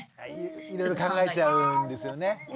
いろいろ考えちゃうんですよね。